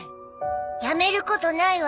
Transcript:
やめることないわ。